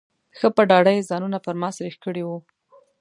ښه په ډاډه یې ځانونه پر ما سرېښ کړي وو.